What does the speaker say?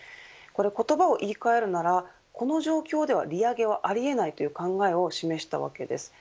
言葉を言い換えるならこの状況では利上げはあり得ないという考えを示したわけです。